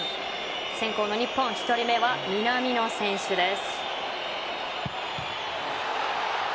先攻の日本１人目は南野選手です。